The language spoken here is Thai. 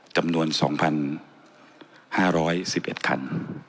จำนวน๒๕๑๑คัน